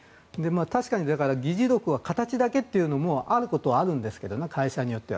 確かに議事録は形だけというのもあることはあるんですけど会社によっては。